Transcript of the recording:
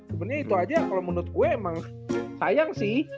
sebenernya itu aja kalo menurut gua emang sayang sih